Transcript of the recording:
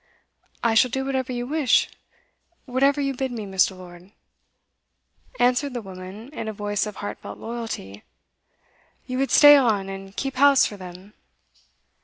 'I shall do whatever you wish whatever you bid me, Mr. Lord,' answered the woman, in a voice of heartfelt loyalty. 'You would stay on, and keep house for them?